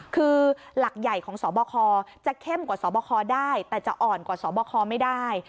คือหลักใหญ่ของสบคจะเข้มกว่าสบคได้แต่จะอ่อนกว่าสบคไม่ได้